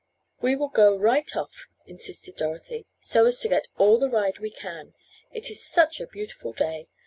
"We will go right off," insisted Dorothy, "so as to get all the ride we can, it is such a beautiful day.